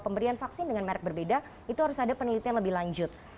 pemberian vaksin dengan merek berbeda itu harus ada penelitian lebih lanjut